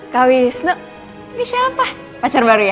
kak wisnu ini siapa pacar baru ya